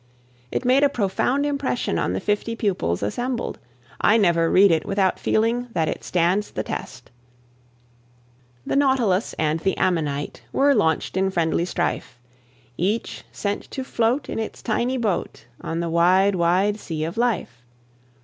It made a profound impression on the fifty pupils assembled, I never read it without feeling that it stands test. Anonymous. The nautilus and the ammonite Were launched in friendly strife, Each sent to float in its tiny boat On the wide, wide sea of life.